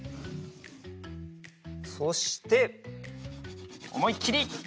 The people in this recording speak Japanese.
そしておもいっきりぬります。